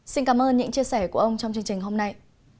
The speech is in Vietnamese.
xin cảm ơn những chia sẻ của ông trong chương trình hôm nay